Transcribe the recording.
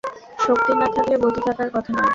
শক্তি না থাকলে গতি থাকার কথা নয়।